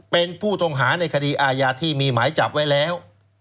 เป็นผู้ต้องหาในคดีอาญาที่มีหมายจับไว้แล้ว